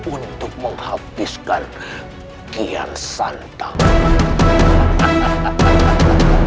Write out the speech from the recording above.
untuk menghabiskan kian santan